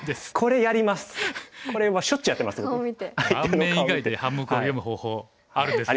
盤面以外で半目を読む方法あるんですね。